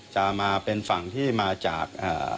จะมาเป็นฝั่งที่มาจาก